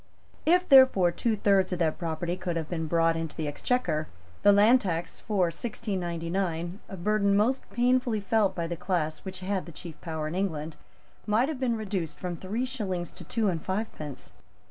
If, therefore, two thirds of that property could have been brought into the Exchequer, the land tax for 1699, a burden most painfully felt by the class which had the chief power in England, might have been reduced from three shillings to two and fivepence.